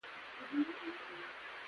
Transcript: ګاونډي ته د خپل زړه خواخوږي وښایه